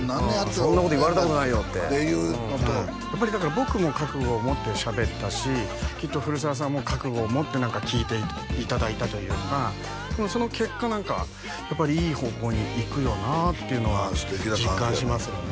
そんなこと言われたことないよってやっぱり僕も覚悟を持ってしゃべったしきっと古澤さんも覚悟を持って聞いていただいたというかその結果何かやっぱりいい方向に行くよなっていうのは実感しますよね